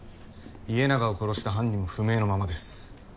家長を殺した犯人も不明のままです。